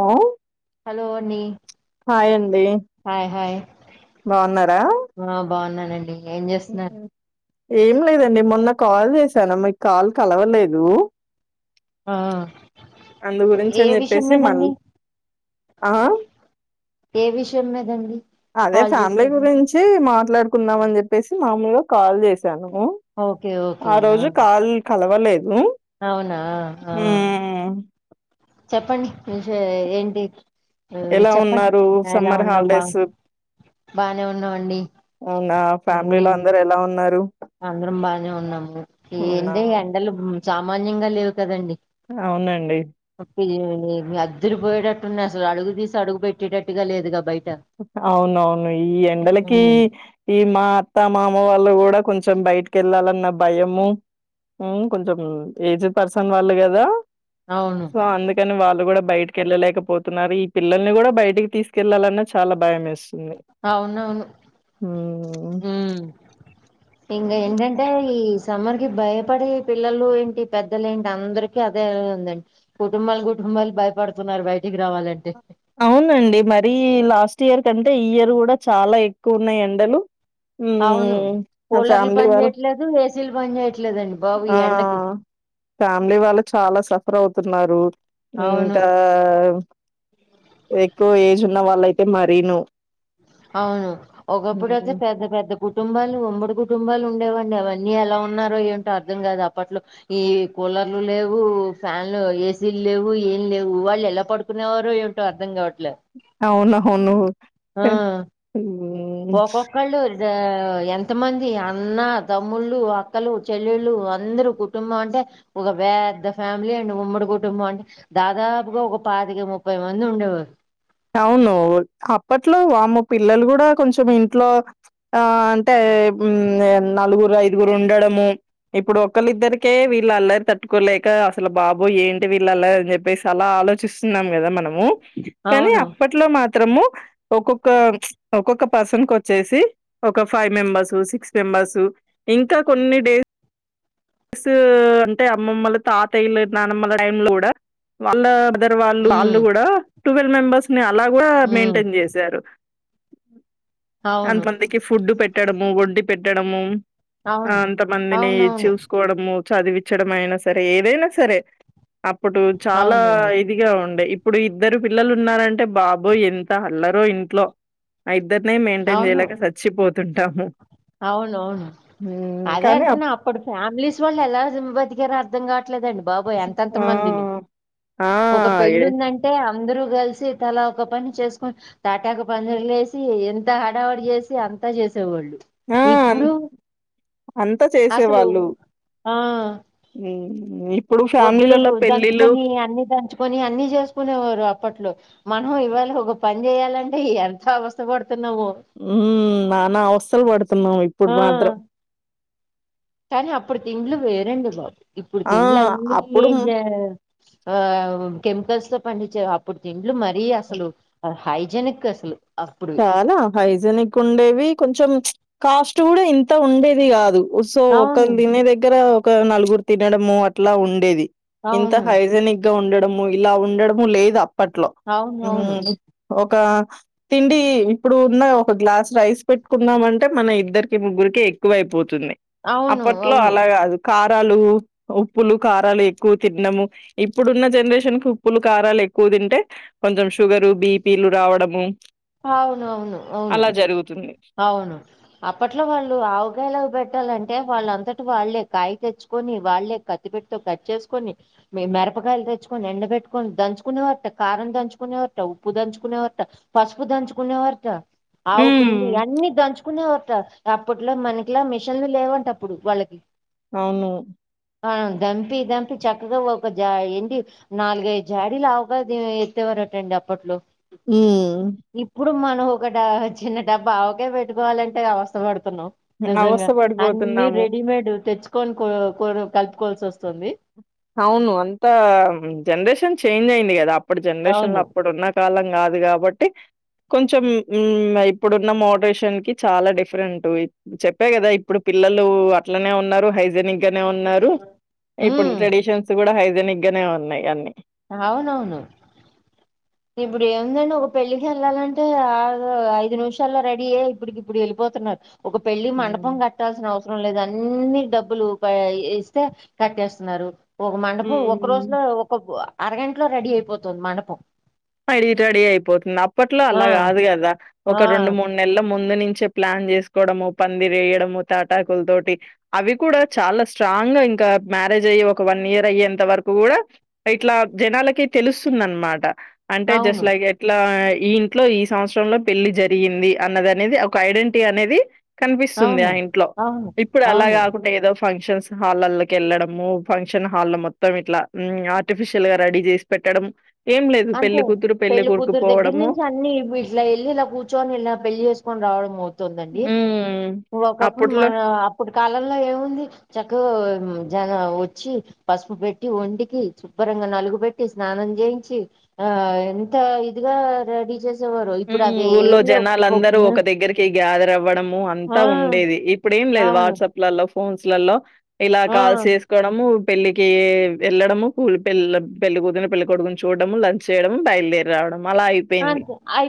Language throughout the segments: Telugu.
హలో హలో అండి హాయండి హాయ్ హాయ్ ఆ బాగున్నానండి ఏం జేస్తున్నారు ఏం లేదండి మొన్న కాల్ చేసారా మీకు కాల్ కలవలేదు ఆ అందుగురించి ఏ అని విషయం చెప్పేసి మళ్ళ మీదండి ఆ ఏ విషయం మీదండి అదే కాల్ ఫ్యామిలీ చేశారు గురించి మాట్లాడుకుందాం అని చెప్పేసి మామూలుగా కాల్ జేసా ఓకే ఓకే ఆ రోజు కాల్ కలవలేదు అవునా ఆ మ్మ్ చెప్పండి విష ఏంటి ఆ ఎలా చెప్పండి ఉన్నారు ఎలా సమ్మర్ ఉన్నాం బాగు హాలిడేస్ బానే ఉన్నాం మండి అవునా ఫ్యామిలీలో హ్మ్ అందరు ఎలా ఉన్నారు అందరం బానే ఉన్నాము అవునా ఏందే ఎండలు సామాన్యంగా లేవు కదండి అవునండి [unintelligible] అద్రి పోయేటట్టున్నాయి అసలు అడుగు దీసి అడుగు పెట్టేటట్టుగా లేదుగా బయట అవునవును ఈ ఎండలకి ఉమ్, ఈ మా అత్త మామ వాళ్ళు గూడా కొంచెం బయట కెళ్ళాలన్నా భయము హూ కొంచెం ఏజ్ పర్సన్ వాళ్ళు గదా అవును సో అందుకని వాళ్ళు గూడా బయటికి యెళ్ళలేకపోతున్నారు ఈ పిల్లల్ని గూడా బయటికి తీసుకెళ్లాలన్నా చాలా భయం వేస్తుంది అవునవును హ్మ్. ఉమ్ ఇంగ ఎంటంటే ఈ సమ్మర్ భయపడే పిల్లలు ఏంటి పెద్దలు ఏంటి అందరికి అదే ఉందండి కుటుంబాలు కుటుంబాలు భయపడుతున్నారు బయటికి రావాలంటే అవునండి మరీ లాస్ట్ ఇయర్ కంటే ఈ ఇయర్ గూడా చాలా ఎక్కువ ఉన్నాయి ఎండలు అవును హ్మ్. నా కూలర్లు ఫ్యామిలీ పని వాళ్ళు జేయట్లేదు ఏసీలు పని జేయట్లేదండి బాబు ఆ! ఈ ఎండకి ఫ్యామిలీ వాళ్ళు చాలా సఫర్ అవుతున్నారు అవును ఇంకా ఎక్కువ ఏజ్ ఉన్న వాళ్ళు అయితే మరీను అవును ఒకప్పుడు అయితే హ్మ్. పెద్ద పెద్ద కుటుంబాలు ఉమ్మడి కుటుంబాలు ఉండేవండి అవన్నీ ఎలా ఉన్నారో ఏంటో అర్థం కాదు అప్పట్లో ఈ కూలర్లు లేవు ఫ్యాన్లు ఏసీలు లేవు ఏం లేవు వాళ్ళు ఎలా పడుకునేవారో ఏంటో అర్థం కావటం అవునవును ఆ హ్మ్. ఒకొక్కళ్ళు ఇ ఎంతమంది అన్న తమ్ముళ్ళు అక్కలు చెల్ెళ్ళు అందరుూ కుటుంబం అంట అంటే ఒక పెద్ద ఫ్యామిలీ అండ్ ఉమ్మడి కుటుంబం అంటే దాదాపుగా ఒక పాదికి ముప్పై మంది ఉండేవారు అవును అప్పట్లో వామ్మో పిల్లలు కూడా కొంచం ఇంట్లో ఆ అంటే నలుగురు ఐదుగురు ఉండడము ఇప్పుడు ఒకళద్దరికే వీళ్ళ అల్లరి తట్టుకోలేక అసలు బాబు ఏంటి వీళ్ళల్లరు అని చెప్పేసి అలా ఆలోచిస్తున్నాం కదా మనము కానీ అవును అప్పట్లో మాత్రము ఒక్కొక్క ఒక్కొక్క పర్సనకోచ్చేసి ఒక ఫైవ్ మెంబర్స్ సిక్స్ మెంబర్స్ ఇంకా కొన్ని డే స్ అంటే అమ్మమ్మలు తాతయ్యలు నానమ్మల టైం లో కూడా వాళ్ళ ఇద్దరు వాళ్ళు వాళ్ళు ఉమ్ కూడా ట్వెల్వ్ మెంబెర్స్ ని అలా కూడా ఉమ్ మెయింటైన్ చేశారు అవును అంతమందికి ఫుడ్డు పెట్టడము వండి పెట్టడము ఆ అవును అంత మందిని అవునవును చూసుకోవడము చదివించడమైనా సరే ఏదైనా సరే అప్పుడు చాలా అవునండి ఇదిగా ఉండే ఇప్పుడు ఇద్దరు పిల్లలున్నారంటే బాబోయ్ ఎంత అల్లరో ఇంట్లో అ ఇద్ ద్దర్నే మెయింటైన్ అవును చేయలేక చచ్చిపోతుంటాము అవునవును హ్మ్. అదే కానీ అప్ అంటున్నా అప్పుటి ఫ్యామిలీస్ వాళ్ళు ఎలా బతికరో అర్థం కావట్లేదండి బాబోయ్ అంతంత ఆ మందిని ఆ ఒక ఏ పెళ్ళిందంటే అందరు కలిసి తలా ఒక పని చేసుకోని తాటాకు పందిర్లు లేసి ఎంత హడావిడి చేసి అంతా చేసేవాళ్ళు ఆ ఇప్పుడు అంతా అసలు చేసేవాళ్ళు ఆ హ్మ్. ఇప్పుడు ఒడ్లు ఫ్యామిలీలలో పెళ్ళిళ్ళు దంచుకొని అన్ని దంచుకొని అన్ని చేసుకునేవారు అప్పట్లో మ ఇవాళ ఒక పని చేయాలంటే ఎంత అవస్థ పడ్ మ్ నానా అవస్తలు పడుతున్నాం ఇప్పుడు ఆ మాత్రం కానీ అప్పుడు తిండ్లు వేరండి బాబు ఇప్పుడు ఆ! తిండ్లు అన్నీ అప్పుడు ఆ కెమికల్స్ తో పండించే అప్పుడు తిండ్లు మరీ అసలు హైజినిక్ అసలు అప్పుడు చాలా హైజినిక్ ఉండేవి కొంచెం కాస్ట్ కూడా ఇంత ఉండేది కాదు సో ఒకల్ అవును తినే దగ్గర ఒక నలుగురు తినడము అట్లా ఉండేది ఇంత అవును హైజినిక్ గా ఉండడము ఇలా ఉండడము లేదు అప్పట్లో అవును అవును మ్ ఒక తిండి ఇప్పుడు ఉన్న ఒక గ్లాస్ రైస్ పెట్టుకున్నమంటే మన ఇద్దరికి ముగ్గురికి ఎక్కువైపోత్ ంది అవును అప్పట్లో అవును అలా కాదు క ారాలు ఉప్పులు కారాలు ఎక్కువ తిన్నాడము ఇప్పుడున్న జనరేషన్ కు ఉప్పులు కారాలు ఎక్కువ తింటే కొంచెం షుగరు బిపీలు రావడము అవునవును అవును అలా జరుగుతుంది అవును అప్పట్లో వాళ్ళు ఆవకాయలవి పెట్టాలం టే వాళ్ళంతట వాళ్ళే కాయ తెచ్చుకొని వాళ్ళే కత్తి పిటతో కట్ చేసుకొని మెరపకాయలు తెచ్చుకొని ఎండ పెట్టుకొని దంచుకునే వరట కారం దంచుకునే వరట ఉప్పు దంచుకునే వరట పసుపు దంచుకునే వారట ఆవు హ్మ్. పిండి అన్ని దంచు కునేవరట అప్పట్లో మనకిలా మిషన్లు లేవంట అప్పుడు వాళ్ళకి అవును అ దంపి దంపి చక్కగా ఒక జా ఏంటి నాలుగైదు జాడీలు ఆవకాయ్ ఎతేవ రట్టండి అప్పట్లో మ్ ఇప్పుడు మనం ఒక డ చిన్న డబ్బా ఆవకయ్ పెట్టుకోవాలంటే అవస్థ పడు తున్నాం నిజంగా అవస్థ అన్ని పడిపోతున్నాము రెడీమేడ్ తెచ్ కోని కో కో కలుపుకోవాల్సి వస్తుంది అవును అంతా జనరేషన్ చేంజ్ అయింది కదా అప్పుడు జనరేషన్ లో అవును అప్పుడున్నా కాలం కాదు కాబట్టి కొంచెం ఇం ఇప్పుడున్న మోడరేషన్ కి చాలా డిఫ్రెంటు ఇ చెప్పా కదా ఇప్పుడు పిల్లలు అట్లనే ఉన్నారు హైజనిక్ గానే ఉన్నారు ఇప్పుడు ఉమ్, ట్రెడి ట్స్ కూడా హైజనిక్ గానే ఉన్నాయ్ అన్నీ అవునవును ఇప్పుడు ఏదంటే ఒక పెళ్ళికి వెళ్ళాలంటే ఆగు ఐదు నిమిషాల్లో రెడీ ఐ ఇప్పడికి ఇప్పుడు వెళ్ళిపోతా తున్నార్ ఒక పెళ్ళి మండపం కట్టాల్సిన అవసరం లేదన్నీ డబ్బులు ప ఇస్తే కట్టేస్తున్నారు ఒక మండపం ఒక రోజు హ్మ్ లో ఒక అరగంటలో రెడీ అయిపోతుంది మండపం అడటడీ అయిపోతుంది అప్పట్లో ఆ, అలా కాదు కదా, ఆ, ఒక రెండు మూడు నెల్ల ముందు ముందు నుంచే ప్లాన్ చేసుకోవడోము పందిరి వేయ్యడము తాటాకుల్తోటి అవి కూడా చాలా స్ట్రాంగ్ ంగ్ ఇంకా మ్యారేజ్ అయ్యి ఒక వన్ ఇయర్ అయ్యేంత వరకు కూడా ఇట్లా జనాలకి తెలుస్తుంద అన్ మాట అంటే జస్ట్ అవును లైక్ ఎట్లా ఈ ఇంట్లో ఈ సంవత్సరంలో పెళ్లి జరిగింది అన్నది అనేది ఒక ఐడెంటీ అనేది కనిపిస్తుంది అవును ఆ ఇంట్లో అవును ఇప్పుడు అలా అవును కాకుంటడా ఏదో ఫంక్షన్స్ హాల్లల్లోకి వెళ్లడము ఫంక్షన్ హాల్ మొత్తం ఇట్లా ఉమ్ ఆర్టిఫిషిల్ గా రెడీ చేసి పెట్ పెట్టడం ఏం అంతే పెళ్లి కొడుకు కూతురు దెగ్గర పోవడము నుంచి అన్ని ఇప్ ఇట్లా వెళ్ళి ఇలా కూర్చొని ఇలా పెళ్లి చేసుకొని రావడం అవుత్ తుందండి హ్మ్ ఒకప్పుడు అప్పట్లో మన అప్పుడు కాలంలో ఏముంది చక్కగా జన వచ్చి పసుపు పెట్టి ఒంటికి శుభ్రంగా నలుగు పెట్టి స్నానం చేయించి ఆ ఎంత ఇదిగా రెడి చేస్ ఉమ్ ఊళ్లో జనాలందరూ ఒక దగ్గరికి గాదర్ అ అవ్వడము ఆ అంతా ఉండేది ఇప్పుడు ఏం లేదు అవును వాట్సాప్లలో ఫోన్స్ లల్లో ఇలా ఆ కాల్స్ చేసుకోవడము పెళ్ళికి వెళ్ళడము కూల్ పెళ్ళ పెళ్ళి కూతురు పెళ్ళి కొడుకుని చూడము లంచ్ చేయడము బయలుదేరి రావడము మలా ఐపేంది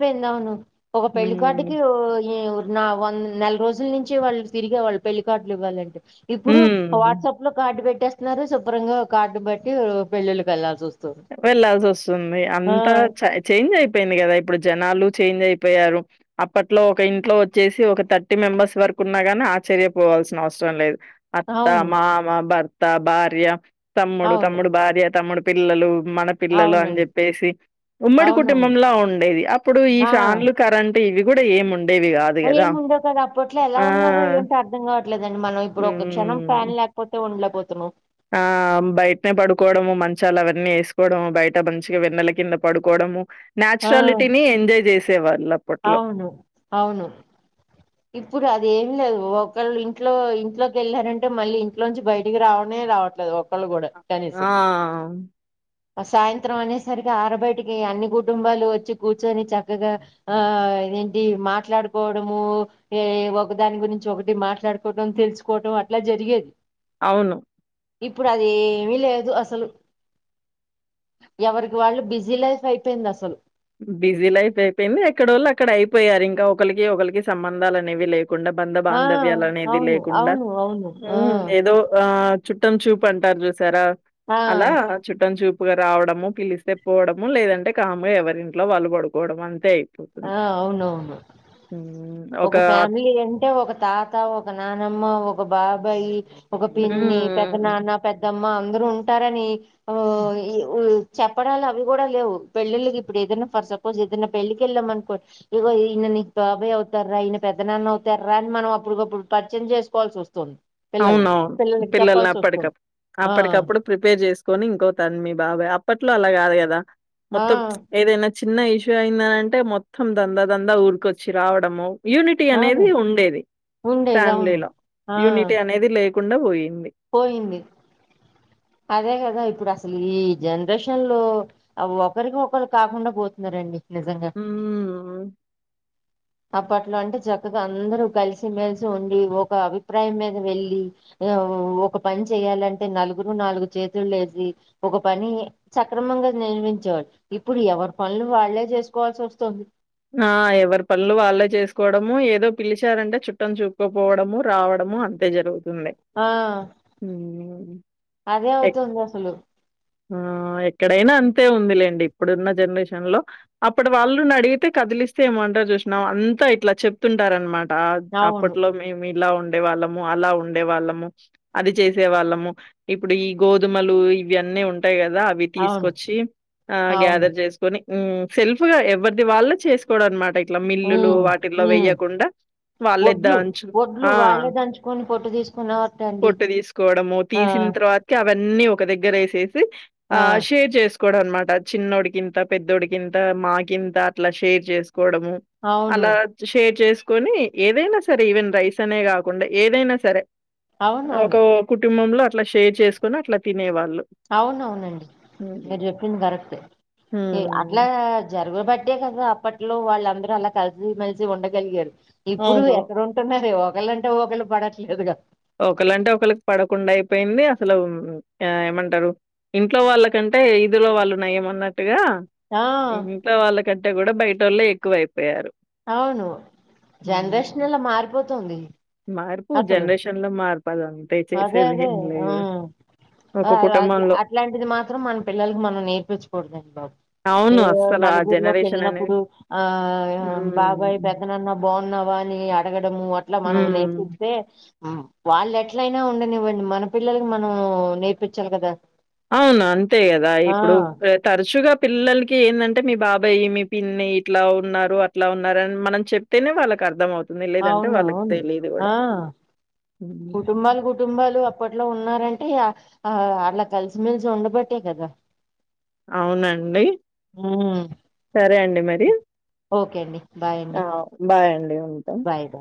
పెంది అవును ఒక పెళ్ళి కార్డ్ కి ఒ ఎ ఒర్ నా వంద్ నెల రోజుల్ నుంచి వాళ్ళు తిరిగేవాళ్ళు పెళ్లికార్డ్లు ఇవ్వాలంటే ఇప్పుడు హ్మ్. వాట్సాప్ లో కార్డు పెట్టేస్తున్నారు శుభ్రంగా కార్డు బట్టి పెళ్ళిళ్ళకి వెళ్ళాల్సి వస్ వెళ్ళాల్సి వస్తుంది అంత చా చేంజ్ ఐపే ఐపేంది కదా ఇప్పుడు జనాలు చేంజ్ అయిపోయారు అప్పట్లో ఒక ఇంట్లో వచ్చేసి ఒక థర్టీ మెంబర్స్ వరకు కున్నాగాని ఆ్చర్యపోవాల్సిన అవసరం లేదు అత్త, అవును మామ, భర్త, భార్య, తమ్ముడు, అవును తమ్ముడు భార్య, తమ్ముడు పిల్లలు మన పిల్లలు అని అవునండి చెప్పేసి ఉమ్మడి అవునవును కుటుంబంలా ఉండేది అప్పుడు ఈ ఆ ఫ్యాన్లు కరెంటు ఇవి కూడా ఏముండ్ అదేముండవ్ కదా ఉండో కదా అప్పట్లో ఎలా ఉన్నారో ఏంటి అర్థం కావట్లేదండి మనం ఇప్పుడు ఒక క్షణం హ్మ్. ఫ్యాన్ లేకపోతే ఉండ్లేం ఆ బయట్నే పడుకోవడము మం చాల అవన్నీ వేసుకోవడం బయట మంచిగా వెన్నల కింద పడుకోవడము ఆ నెచురాలిటీని ఎంజాయ్ చేసి అవును అవును ఇప్పుడు అదేం లేదు ఒకళ్ళు ఇంట్లో ఇంట్లోకి వెళ్ళారంటే మళ్ళీ ఇంట్లో నుంచి బయటికి రావనే రావట్లేదు ఒకళ్ళు కూడా కనీసం ఆ! సాయంత్రం అనేసరికి ఆర బయటికి అన్ని కుటుంబాలు వచ్చి కూర్చొని చక్కగా ఆ ఏంటి మాట్లాడుకోవడమూ ఏ ఒకదాని గురించి ఒకటి మాట్లాడుకోవటం తెలుసుకోవటం అట్లా జరిగేది అవును ఇప్పుడు అది ఏమి లేదు అసలు ఎవరికి వాళ్ళు బిజీ లైఫ్ అయిపోయింది అసలు బిజీ లైఫ్ అయిపోయింది ఎక్కడోళ్ళు అక్కడ అయిపోయారు ఇంకా ఒకరికి ఒకరికి సంబంధాలు అనేవి లేపో కుండ బంధ ఆ బాంధవ్యాలు అనేది అవును లేకుండా అవును అవును ఆ ఏదో ఆ చుట్టం చూపు అంటారు చూసారా ఆ అలా చుట్టం చూపు ఎప్పుగా రావడము పిలిస్తే పోవడము లేదంటే కాము ఎవరింట్లో వాళ్లు పడుకోవడం అంతే ఆ అయిపోతుంది. అవును అవును ఒక ఫ్యామిలీ అంటే ఒక తాత ఒక నానమ్మ ఒక ఒక బాబాయ్ ఒక పిన్ని పెద్ద నాన్న హ్మ్. పెద్దమ్మ అందరూ ఉంటారని చెప్పడాలు అవి కూడా లేవు పెళ్ళిళ్ళకి ఇప్పుడు ఏదైనా ఫర్ సపోజ్ ఏదైనా పెళ్ళికి కెళ్ళా అనుకో ఇగో ఈయ నీ బబాయ్ అవుతారా ఈయన పెద్దనాన్న అవుతారా అని మనం అప్పుటికప్పుడు పడిచే ప చేసుకోవాల్సి వస్తుంది పిల్లల్ని అవునవును పిల్లలకి పిల్లల్ని చెప్పాల్సి వస్తుంది అప్పటికప్పు ఆ అప్పటికప్పుడు ప్రిపేర్ చేసుకొని ఇంకొతాను మీ బాబా అప్పట్లో అలా కాదు కదా ఆ మొత్తం ఏదైనా చిన్న ఇష్యూ అయిందనంటే మొత్తం దందా దందా ఊరికొచ్చి రావడము యూనిటీ ఆ, అదే అనేది ఉండేది ఉండేది అవును ఫ్యామిలీలో ఆ యూనిటీ లేకుండ పోయి పోయింది అదే కదా ఇప్పుడు అసలు ఈ జనరేషన్ లో ఒకరికి ఒకరు కాకుండా పోతున్నారండి నిజంగా హ్మ్. ఆ పా అట్లా అంటే చక్కగా అందరు కలిసిమెెలిసి ఉండి ఒక అభిప్రాయం మీద వెళ్ళలి ఒక పని చేయాలంటే నగురు నాలుగు చేతులు లే ఒక పని సక్రమంగా నిర్మించడు ఇప్పుడు ఎవరి పనులు వాళ్లే చేసుకోవాల్సి వస్తుంది ఆ ఎవరి పనులు వాళ్ళే చేసుకోవడము ఏదో పిలిచారంటే చుట్టం చూపుకోపోవడము రావడం అంతే జరుగుంది ఆ అదే అవుతుంది అసలు ఆ ఎక్కడైనా అంతే ఉంది లేండి ఇప్పుడున్న జనరేషన్ లో అప్పుడు వాళ్ళు అడిగి అయితే కదిలిస్తే ఏమంటారు చూసినాం అంతా ఇట్లా చెప్తుంటార అనమాట అవును అప్పట్లో మేము ఇలా ఉండే వాళ్ళము అలా ఉండే వాళ్ళము అది చేసే వాళ్ళము ఇప్పుడు ఈ గోధుమలు ఇవన్నీ ఉంటాయిదా అవి అవును తీసుకొచ్చి అవును గ్యాదర్ చేసుకొని సెల్ఫ్ గా ఎవరిది వాళ్ళ చేసు చడ అనమాట ఇట్లా మిల్లులు ఉమ్ వాటిల్లో ఉమ్ వెయ్యకుండా వాళ్ళిద్ద ఒడ్లు అంచు ఒడ్లు ఆ వాళ్ళే దంచుకొని పొట్టు తీసుకునేవారట అండి పొట్టు తీసుకోవడము ఆ తీసిన తర్వాత అవన్నీ ఒక దగ్గర వేసి ఆ షేర్ చేసు అనమాట చిన్నోడికింత పెద్దోడికింత మాకింత అట్లా షేర్ చేసుకో కావడమూ అవును. అలా షేర్ చెస్ కని ఏదైనా సరే ఈవెన్ రైస్ అనే కాకుండా ఏదైనా సరే ఒక అవునవును. కుటుంబంలో అట్లా షేర్ చేసుకుని అట్లా తినేవాళ్ళు అవున అవునండి హ్మ్. మీరు చెప్పింది కరెక్ట్ అట్లా హ్మ్. జరుగ బడ్డే కదా అప్పట్లో వాళ్ళందరూ అలా కలిసిమెలిసి ఉండగలిగారు ఇప్పుడు అవును. ఎక్కడ ఉంటున్నారే ఒకళంటే ఒకళ్ళ పడట్లేదు కూడా ఒకళంటే ఒకళకి పడకుండా అయిపోయింది అసలు ఏమంటారు ఇంట్లో వాళ్ళకంటే అంటే ఇదిలో వాళ్ళు నయం ఉన్నట్టుగా ఆ! ఇంత వాళ్ళ కంటే కూడా బయట వాళ్ళ ఎక్కువయిపోంది అవును జనరేషన్ హ్మ్. ఎలా మారిపోతుంది మార్పు జ, అసలు. నరేషన్ లో, మార్పు, అది అంతే, అదే అదే. చేసేదేం, ఆ! లేదు. అ ఒక ల కుటుంబంలో అట్లాంటిది, మాత్రం, మన, పిల్లలకి, మనం, నేర్పించకూడదండి, బాబు. అవును. ఏమో, అస్సలు ఆ నలుగురులోకి, జనరేషన్ అనేది ఎళ్ళినప్పుడు, ఆ ఆమ్. బాబాయ్, హ్మ్. పెద్దనన్న, బావున్నావా, అని, అడగడము, అట్లా, మనం, హ్మ్. నేర్పిస్తే. ఆ వాళ్ళు, ఎట్లయినా, ఉండనివ్వండి, మన పిల్లలకి, మనం, మూ నేర్పించాలి, గదా. అవును, అంతే, గద, ఇప్పుడు, తరుచుగ. పిల్లలకి, ఏందంటే, మీ బాబాయ్, మీ పిన్ని, ఇట్లా ఉన్నారు, అట్లా ఉన్నారని, మనం చెప్తేనే, వాళ్ళకి, అర్థంమవు. లేదంటే అవునూ, ఆ హ్మ్. కుటుంబాలు, కుటుంబాలు, అప్. అప్పట్లో, ఉన్నారంటే, ఆ అలా, కలిసిమెలిసి, ఉండబట్టే, కదా. అవునండి, ఉమ్, సరే అండి, మరి. ఓకే అండి బాయ్ అండి ఆ బాయ్ అండి ఉమ్ ఉంటా. Bye bye